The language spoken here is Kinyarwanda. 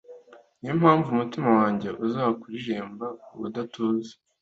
ni yo mpamvu umutima wanjye uzakuririmba ubudatuza